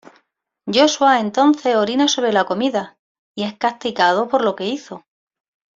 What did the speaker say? Joshua entonces orina sobre la comida y es castigado por lo que hizo.